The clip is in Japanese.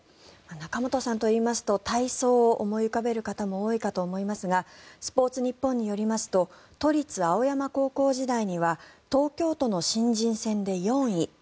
仲本さんといいますと体操を思い浮かべる方も多いと思いますがスポーツニッポンによりますと都立青山高校時代には東京都の新人戦で４位。